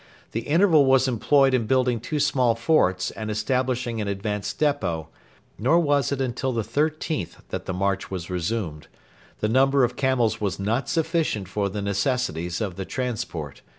The interval was employed in building two small forts and establishing an advanced depot; nor was it until the 13th that the march was resumed. The number of camels was not sufficient for the necessities of the transport.